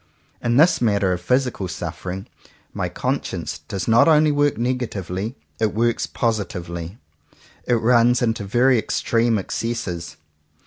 In this matter of physical suf fering, my conscience does not only work negatively; it works positively. It runs into very extreme excesses.